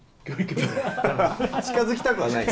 近づきたくはない？